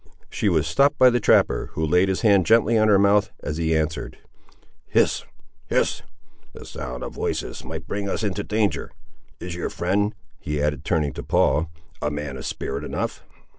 She was stopped by the trapper, who laid his hand gently on her mouth, as he answered— "Hist—hist!—the sound of voices might bring us into danger. Is your friend," he added, turning to Paul, "a man of spirit enough?"